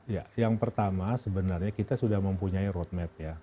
ya yang pertama sebenarnya kita sudah mempunyai roadmap ya